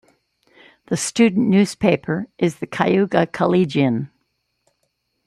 The student newspaper is the Cayuga Collegian.